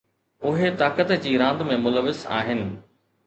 اهي طاقت جي راند ۾ ملوث آهن.